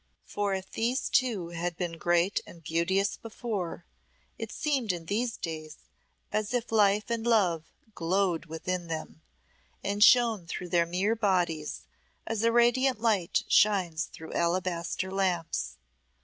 For if these two had been great and beauteous before, it seemed in these days as if life and love glowed within them, and shone through their mere bodies as a radiant light shines through alabaster lamps.